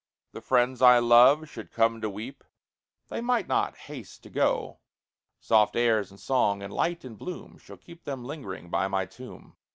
The friends I love should come to weep, They might not haste to go. Soft airs, and song, and light, and bloom, Should keep them lingering by my tomb.